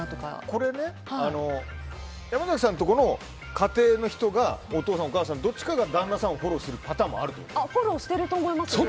これ、山崎さんのところの家庭の人がお父さん、お母さんどっちかが旦那さんをフォローするパターンもあるということですか。